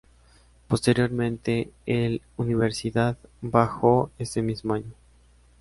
Posteriormente, el Universidad bajó ese mismo año.